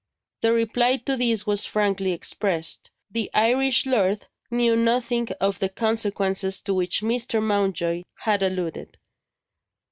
The reply to this was frankly expressed. The Irish lord knew nothing of the consequences to which Mr. Mountjoy had alluded.